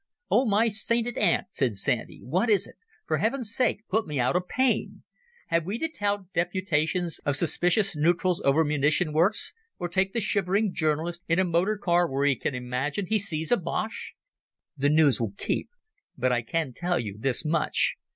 "O my sainted aunt!" said Sandy. "What is it? For Heaven's sake put me out of pain. Have we to tout deputations of suspicious neutrals over munition works or take the shivering journalist in a motor car where he can imagine he sees a Boche?" "The news will keep. But I can tell you this much.